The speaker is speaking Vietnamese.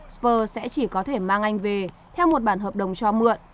spur sẽ chỉ có thể mang anh về theo một bản hợp đồng cho mượn